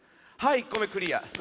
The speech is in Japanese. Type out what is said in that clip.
はいこれクリア。